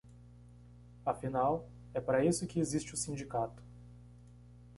Afinal, é para isso que existe o sindicato.